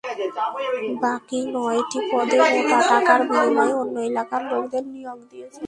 বাকি নয়টি পদে মোটা টাকার বিনিময়ে অন্য এলাকার লোকদের নিয়োগ দিয়েছেন।